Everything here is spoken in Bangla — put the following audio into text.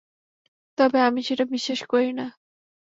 তবে আমি সেটা বিশ্বাস করি না।